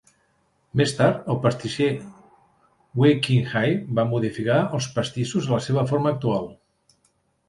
Més tard, el pastisser Wei Qing-hai va modificar els pastissos a la seva forma actual.